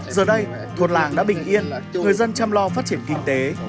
giờ đây thuộc làng đã bình yên người dân chăm lo phát triển kinh tế